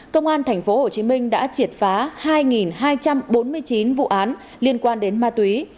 công an tp hcm đã triệt phá hai hai trăm bốn mươi chín vụ án liên quan đến ma túy